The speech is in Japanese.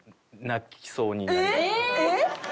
泣きそう？